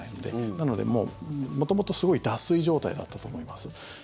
なので元々すごい脱水状態だったと思います。